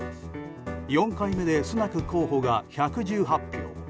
４回目でスナク候補が１１８票。